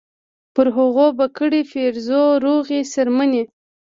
پر هغو به کړي پیرزو روغې څرمنې